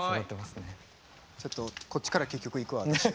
ちょっとこっちから結局行くわ私。